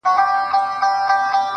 خو یوازې اکوړخېلې دي مېرمنې